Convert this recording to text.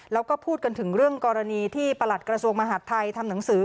แล้วก็พูดกันถึงเรื่องกรณีที่ประหลัดกระทรวงมหาดไทยทำหนังสือ